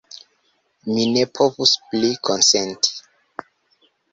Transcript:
Mi ne povus pli konsenti!